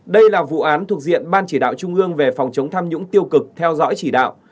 đây là vụ án thuộc diện ban chỉ đạo trung ương về phòng chống tham nhũng tiêu cực theo dõi chỉ đạo